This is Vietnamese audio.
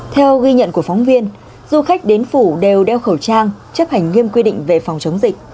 theo ghi nhận của phóng viên du khách đến phủ đều đeo khẩu trang chấp hành nghiêm quy định về phòng chống dịch